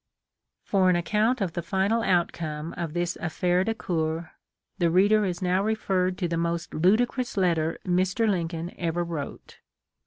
For an account of the final outcome of this affaire du coeur the reader is now referred to the most ludicrous letter Mr. Lincoln ever wrote.